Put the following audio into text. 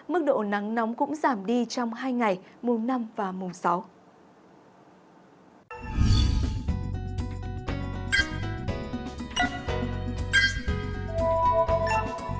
mức độ nắng nóng cũng giảm đi trong hai ngày mùa năm và mùa sáu